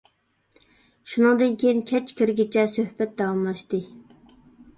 شۇنىڭدىن كېيىن كەچ كىرگىچە سۆھبەت داۋاملاشتى.